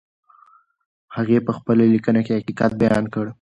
هغې په خپله لیکنه کې حقیقت بیان کړ.